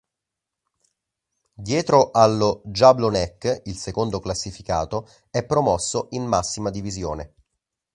Dietro allo Jablonec, il secondo classificato, è promosso in massima divisione.